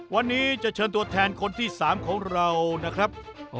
วันนี้จะเชิญตัวแทนคนที่๓ของเรานะครับ